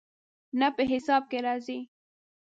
نه، په حساب کې راځي